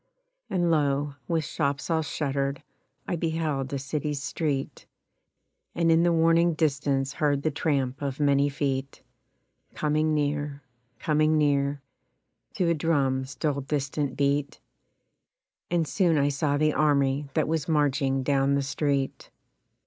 And, lo! with shops all shuttered I beheld a city's street, And in the warning distance heard the tramp of many feet, Coming near, coming near, To a drum's dull distant beat, And soon I saw the army that was marching down the street.